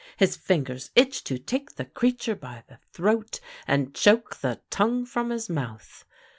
His fingers itched to take the creature by the throat and choke the tongue from his mouth.